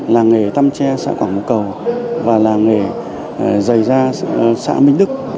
làng nghề tăm tre xã quảng phú cầu và làng nghề dày da xã minh đức